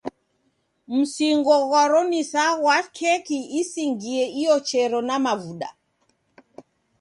Mzingo ghwaro ni sa ghwa keki isingie iochero na mavuda.